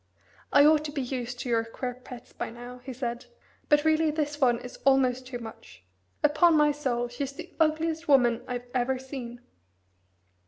"I ought to be used to your queer pets by now," he said; "but really this one is almost too much. Upon my soul, she's the ugliest woman I've ever seen."